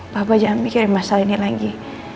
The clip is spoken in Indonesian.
bapak jangan mikirin masalah ini lagi